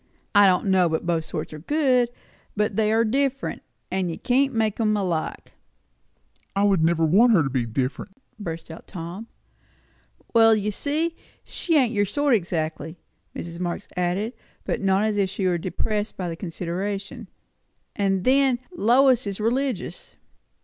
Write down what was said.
I don't know but both sorts are good; but they are different, and you can't make 'em alike." "I would never want her to be different!" burst out Tom. "Well, you see, she ain't your sort exactly," Mrs. Marx added, but not as if she were depressed by the consideration. "And then, Lois is religious."